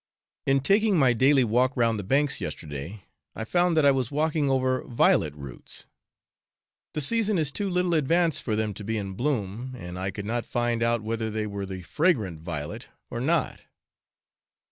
In taking my daily walk round the banks yesterday, I found that I was walking over violet roots. The season is too little advanced for them to be in bloom, and I could not find out whether they were the fragrant violet or not.